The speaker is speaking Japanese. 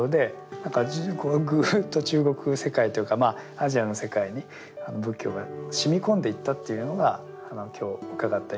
何かぐっと中国世界というかまあアジアの世界に仏教が染み込んでいったというのが今日伺った印象ですね。